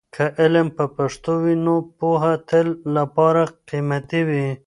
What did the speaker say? که علم په پښتو وي، نو پوهه تل لپاره قیمتي وي.